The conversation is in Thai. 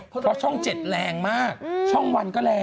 เพราะช่อง๗แรงมากช่องวันก็แรง